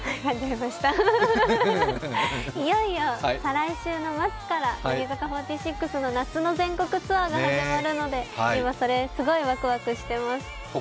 いよいよ再来週の末から乃木坂４６の夏の全国ツアーが始まるので今それ、すごいワクワクしてます。